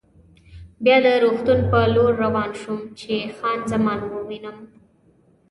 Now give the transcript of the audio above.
بیا د روغتون په لور روان شوم چې خان زمان ووینم.